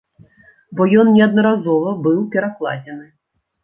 Бо ён неаднаразова быў перакладзены.